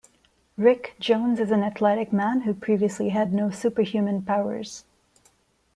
Rick Jones is an athletic man who previously had no superhuman powers.